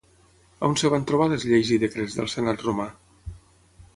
On es van trobar les lleis i decrets del senat romà?